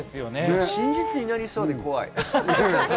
真実になりそうで怖い。